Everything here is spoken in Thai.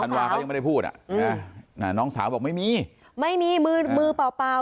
ันวาเขายังไม่ได้พูดอ่ะน้องสาวบอกไม่มีไม่มีมือมือเปล่าเปล่า